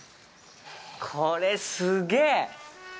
これ、すげえ。